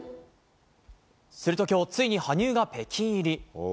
すると今日ついに羽生が北京入り。